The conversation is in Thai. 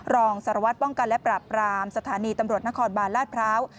รองสารวัตรป้องกันและปราบรามสถานีตำรวจนครบาลลาดพร้าว